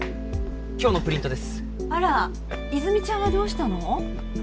今日のプリントですあら泉ちゃんはどうしたの？